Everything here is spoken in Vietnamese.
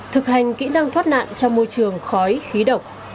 thực hành kỹ năng thoát nạn trong môi trường khói khí độc